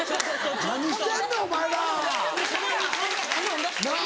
何してんねんお前ら。なぁ。